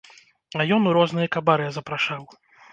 А ён у розныя кабарэ запрашаў.